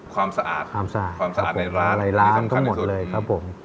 ความสะอาดความสะอาดในร้านในร้านทั้งหมดเลยครับผม